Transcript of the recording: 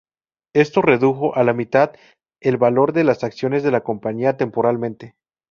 Esto redujo a la mitad el valor de las acciones de la compañía temporalmente.